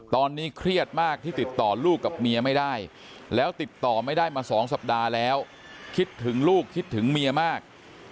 ตอนนี้เครียดมากที่ติดต่อลูกกับเมียไม่ได้แล้วติดต่อไม่ได้มา๒สัปดาห์แล้วคิดถึงลูกคิดถึงเมียมาก